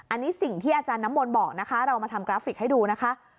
อันนี้สิ่งที่อาจารย์น้ำมนต์บอกนะคะเรามาทำกราฟิกให้ดูนะคะ